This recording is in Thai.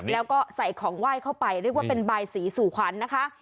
แล้วก็ใส่ของไหว้เข้าไปเรียกว่าเป็นบายสีสู่ขวัญนะคะ